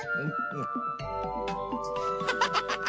ハッハハハハ！